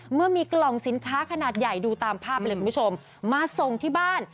เมื่อมีกล่องสินค้าขนาดใหญ่ดูตามภาพไปเลยคุณผู้ชมมาส่งที่บ้าน